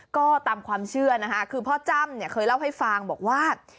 ก็ตามความเชื่อนะคะคือพ่อจ้ำเนี่ยเคยเล่าให้ฟังบอกว่า